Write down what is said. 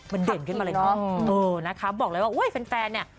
มันเด่นขึ้นมาเลยเออนะคะบอกเลยว่าเฟนเนี่ย